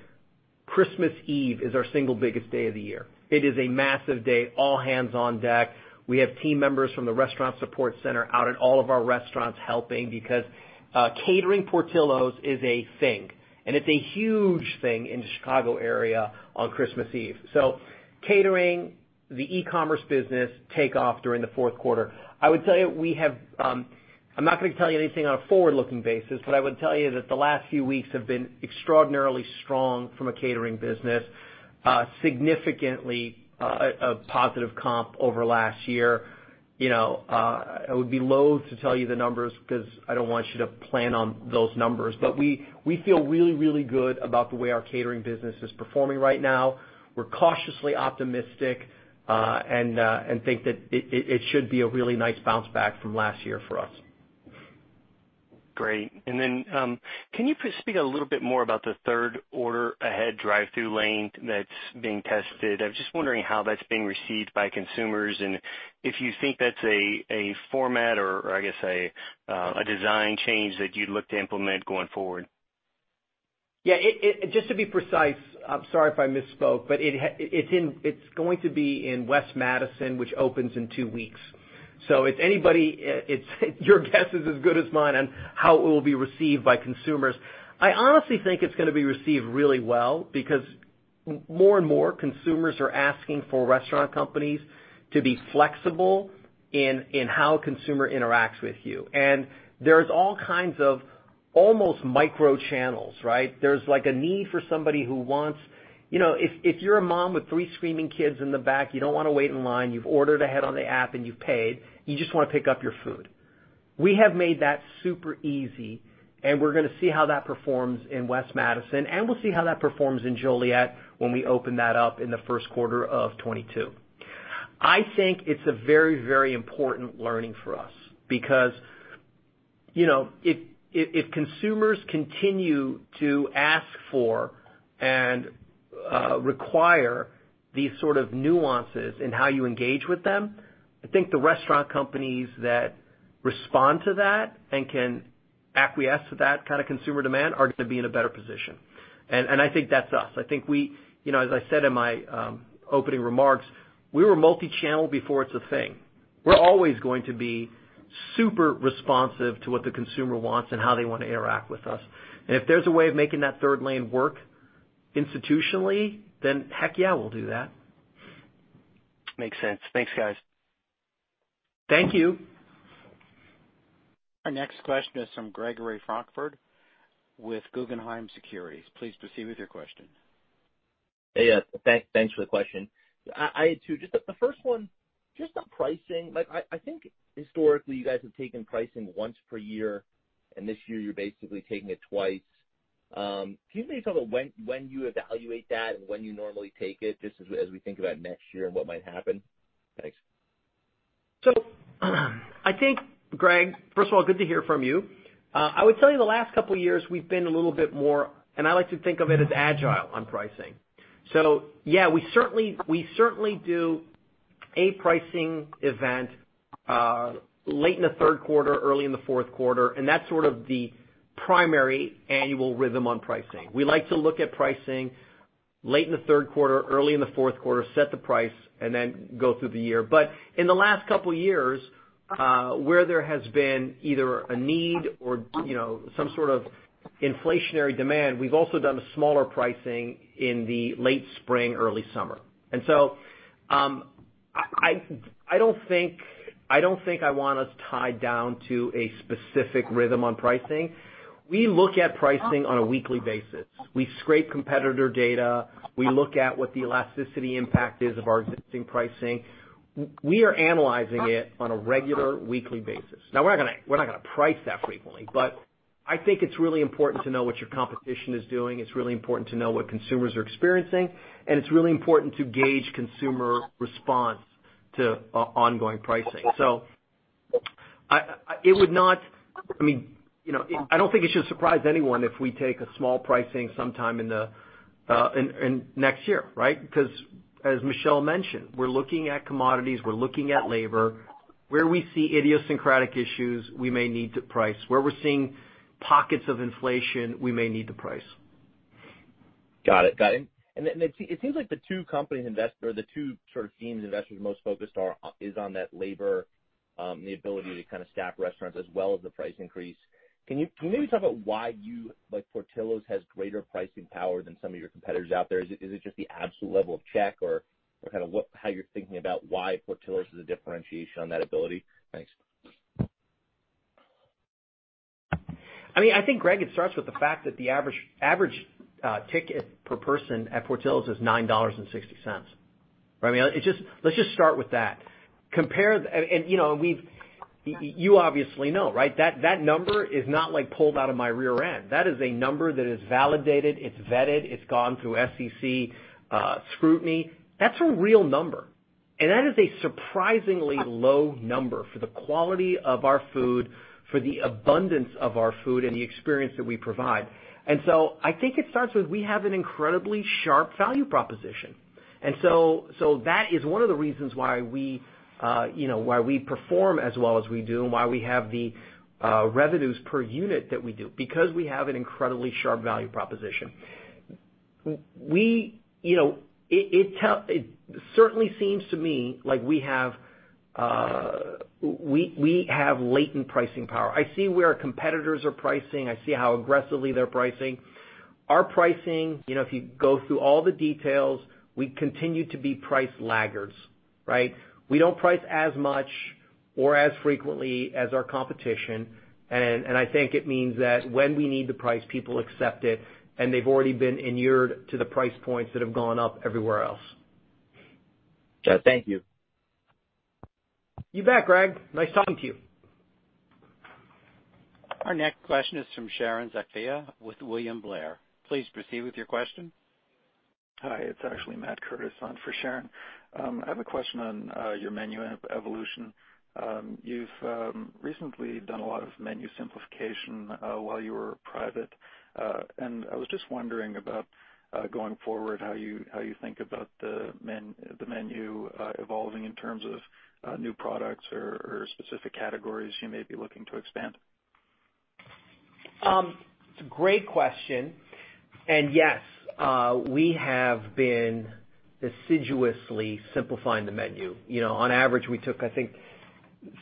Christmas Eve is our single biggest day of the year. It is a massive day, all hands on deck. We have team members from the restaurant support center out at all of our restaurants helping because catering Portillo's is a thing, and it's a huge thing in the Chicago area on Christmas Eve. Catering the e-commerce business take off during the fourth quarter. I would tell you, but I'm not gonna tell you anything on a forward-looking basis. I would tell you that the last few weeks have been extraordinarily strong from a catering business, significantly a positive comp over last year. You know, I would be loath to tell you the numbers 'cause I don't want you to plan on those numbers. We feel really, really good about the way our catering business is performing right now. We're cautiously optimistic and think that it should be a really nice bounce back from last year for us. Great. Can you please speak a little bit more about the third order ahead drive-thru lane that's being tested? I'm just wondering how that's being received by consumers and if you think that's a format or I guess a design change that you'd look to implement going forward. Yeah. Just to be precise, I'm sorry if I misspoke, but it's going to be in West Madison, which opens in two weeks. If anybody, your guess is as good as mine on how it will be received by consumers. I honestly think it's gonna be received really well because more and more consumers are asking for restaurant companies to be flexible in how a consumer interacts with you. There's all kinds of almost micro channels, right? There's like a need for somebody who wants. You know, if you're a mom with three screaming kids in the back, you don't wanna wait in line, you've ordered ahead on the app and you've paid, you just wanna pick up your food. We have made that super easy, and we're gonna see how that performs in West Madison, and we'll see how that performs in Joliet when we open that up in the first quarter of 2022. I think it's a very, very important learning for us because, you know, if consumers continue to ask for and require these sort of nuances in how you engage with them, I think the restaurant companies that respond to that and can acquiesce to that kind of consumer demand are gonna be in a better position. I think that's us. I think we, you know, as I said in my opening remarks, we were multi-channel before it's a thing. We're always going to be super responsive to what the consumer wants and how they wanna interact with us. If there's a way of making that third lane work institutionally, then heck yeah, we'll do that. Makes sense. Thanks, guys. Thank you. Our next question is from Gregory Francfort with Guggenheim Securities. Please proceed with your question. Hey, thanks for the question. I had two. Just the first one, just on pricing. Like I think historically you guys have taken pricing once per year, and this year you're basically taking it twice. Can you please tell me when you evaluate that and when you normally take it, just as we think about next year and what might happen? Thanks. I think, Greg, first of all, good to hear from you. I would tell you the last couple years we've been a little bit more, and I like to think of it as agile on pricing. Yeah, we certainly do a pricing event late in the third quarter, early in the fourth quarter, and that's sort of the primary annual rhythm on pricing. We like to look at pricing late in the third quarter, early in the fourth quarter, set the price, and then go through the year. In the last couple years, where there has been either a need or, you know, some sort of inflationary demand, we've also done a smaller pricing in the late spring, early summer. I don't think I want us tied down to a specific rhythm on pricing. We look at pricing on a weekly basis. We scrape competitor data. We look at what the elasticity impact is of our existing pricing. We are analyzing it on a regular weekly basis. Now we're not gonna price that frequently, but I think it's really important to know what your competition is doing, it's really important to know what consumers are experiencing, and it's really important to gauge consumer response to ongoing pricing. It would not, I mean, you know, I don't think it should surprise anyone if we take a small pricing sometime in the next year, right? Because as Michelle mentioned, we're looking at commodities, we're looking at labor. Where we see idiosyncratic issues, we may need to price. Where we're seeing pockets of inflation, we may need to price. Got it. It seems like the two sort of themes investors are most focused are is on that labor, the ability to kind of staff restaurants as well as the price increase. Can you maybe talk about why you, like Portillo's, has greater pricing power than some of your competitors out there? Is it just the absolute level of check or how you're thinking about why Portillo's is a differentiation on that ability? Thanks. I mean, I think, Greg, it starts with the fact that the average ticket per person at Portillo's is $9.60. Right? I mean, it's just, let's just start with that. You obviously know, right? That number is not like pulled out of my rear end. That is a number that is validated, it's vetted, it's gone through SEC scrutiny. That's a real number. And that is a surprisingly low number for the quality of our food, for the abundance of our food and the experience that we provide. I think it starts with we have an incredibly sharp value proposition. That is one of the reasons why we, you know, why we perform as well as we do and why we have the revenues per unit that we do, because we have an incredibly sharp value proposition. You know, it certainly seems to me like we have latent pricing power. I see where our competitors are pricing. I see how aggressively they're pricing. Our pricing, you know, if you go through all the details, we continue to be price laggards, right? We don't price as much or as frequently as our competition and I think it means that when we need the price, people accept it and they've already been inured to the price points that have gone up everywhere else. Thank you. You bet, Greg. Nice talking to you. Our next question is from Sharon Zackfia with William Blair. Please proceed with your question. Hi, it's actually Matthew Curtis on for Sharon. I have a question on your menu evolution. You've recently done a lot of menu simplification while you were private. I was just wondering about going forward, how you think about the menu evolving in terms of new products or specific categories you may be looking to expand. It's a great question. Yes, we have been assiduously simplifying the menu. You know, on average, we took, I think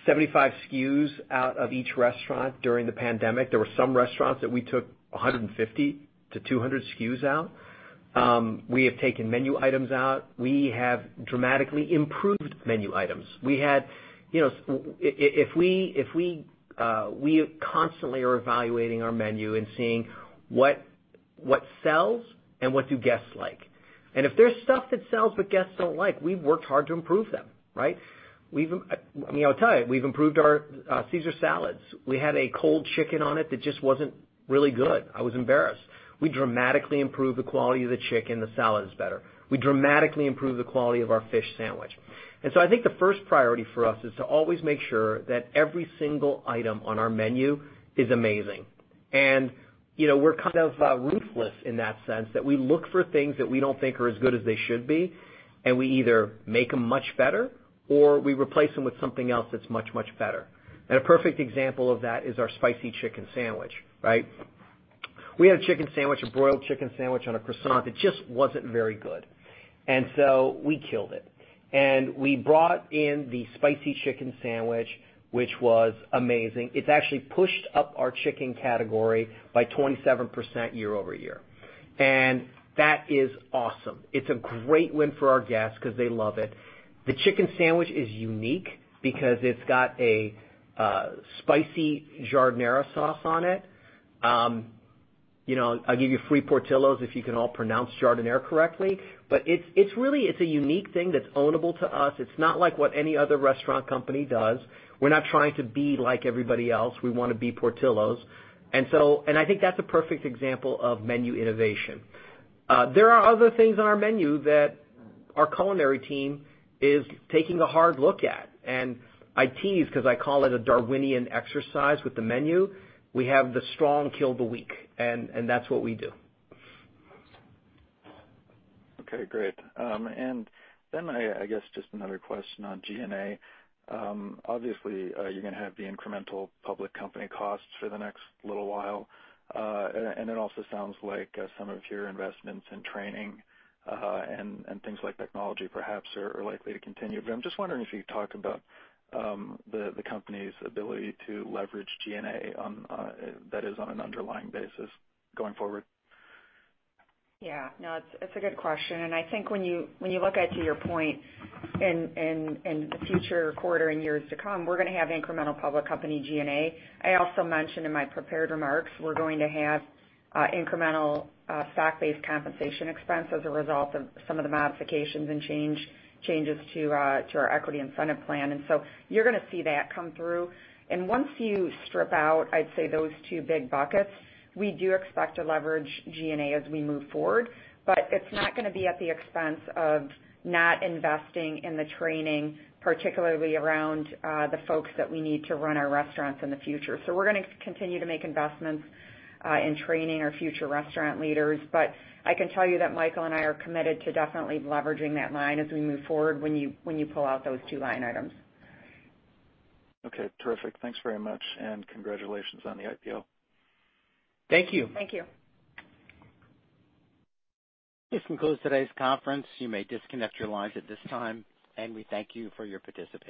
75 SKUs out of each restaurant during the pandemic. There were some restaurants that we took 150 SKUs-200 SKUs out. We have taken menu items out. We have dramatically improved menu items. We have, you know, if we constantly are evaluating our menu and seeing what sells and what guests like. If there's stuff that sells but guests don't like, we've worked hard to improve them, right? I mean, I'll tell you, we've improved our Caesar salad. We had a cold chicken on it that just wasn't really good. I was embarrassed. We dramatically improved the quality of the chicken. The salad is better. We dramatically improved the quality of our fish sandwich. I think the first priority for us is to always make sure that every single item on our menu is amazing. You know, we're kind of ruthless in that sense that we look for things that we don't think are as good as they should be, and we either make them much better or we replace them with something else that's much, much better. A perfect example of that is our Spicy Chicken Sandwich, right? We had a chicken sandwich, a broiled chicken sandwich on a croissant. It just wasn't very good. We killed it. We brought in the Spicy Chicken Sandwich, which was amazing. It's actually pushed up our chicken category by 27% year-over-year. That is awesome. It's a great win for our guests 'cause they love it. The chicken sandwich is unique because it's got a spicy giardiniera sauce on it. You know, I'll give you free Portillo's if you can all pronounce giardiniera correctly. But it's really a unique thing that's ownable to us. It's not like what any other restaurant company does. We're not trying to be like everybody else. We wanna be Portillo's. I think that's a perfect example of menu innovation. There are other things on our menu that our culinary team is taking a hard look at. I tease 'cause I call it a Darwinian exercise with the menu. We have the strong kill the weak, and that's what we do. Okay, great. I guess just another question on G&A. Obviously, you're gonna have the incremental public company costs for the next little while. It also sounds like some of your investments in training and things like technology perhaps are likely to continue. I'm just wondering if you could talk about the company's ability to leverage G&A, that is, on an underlying basis going forward. Yeah. No, it's a good question. I think when you look at, to your point, in the future quarter and years to come, we're gonna have incremental public company G&A. I also mentioned in my prepared remarks, we're going to have incremental stock-based compensation expense as a result of some of the modifications and changes to our equity incentive plan. You're gonna see that come through. Once you strip out, I'd say, those two big buckets, we do expect to leverage G&A as we move forward. It's not gonna be at the expense of not investing in the training, particularly around the folks that we need to run our restaurants in the future. We're gonna continue to make investments in training our future restaurant leaders. I can tell you that Michael and I are committed to definitely leveraging that line as we move forward when you pull out those two line items. Okay, terrific. Thanks very much, and congratulations on the IPO. Thank you. Thank you. This concludes today's conference. You may disconnect your lines at this time, and we thank you for your participation.